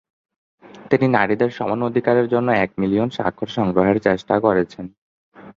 তিনি নারীদের সমান অধিকারের জন্য এক মিলিয়ন স্বাক্ষর সংগ্রহের চেষ্টা করেছেন।